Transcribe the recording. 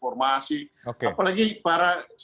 untuk kepentingan informasi